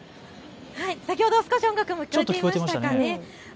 先ほど少し音楽も聞こえていましたかね。